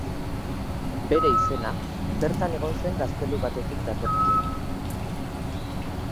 Bere izena, bertan egon zen gaztelu batetik datorkio.